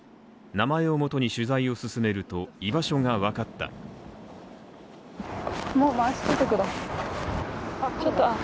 名前をもとに取材を進めると居場所が分かった。